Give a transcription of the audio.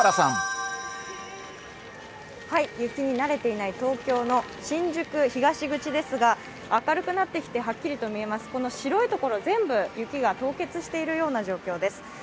雪に慣れていない東京の新宿東口ですが、明るくなってきて、はっきりと見えます、この白い所、全部雪が凍結しているような状況です。